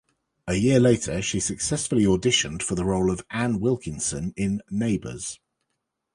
A year later she successfully auditioned for the role of Anne Wilkinson in "Neighbours".